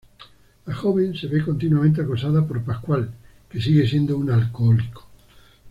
La joven se ve continuamente acosada por Pascual, que sigue siendo un alcohólico.